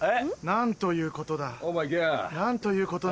何ということなんだ。